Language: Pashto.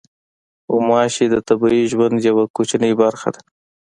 غوماشې د طبیعي ژوند یوه کوچنۍ برخه ده.